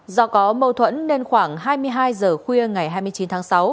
do có mâu thuẫn nên khoảng hai mươi hai giờ khuya ngày hai mươi chín tháng sáu